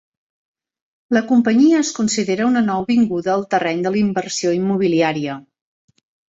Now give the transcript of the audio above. La companyia es considera una nouvinguda al terreny de l'inversió immobiliària.